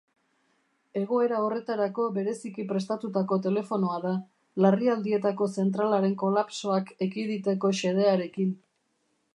Egoera horretarako bereziki prestatutako telefonoa da, larrialdietako zentralaren kolapsoak ekiditeko xedearekin.